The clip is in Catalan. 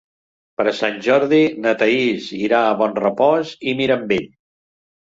Per Sant Jordi na Thaís irà a Bonrepòs i Mirambell.